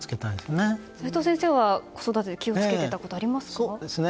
齋藤先生は、子育てで気を付けてたこと、ありますか？